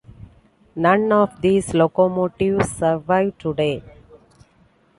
None of these locomotives survive today.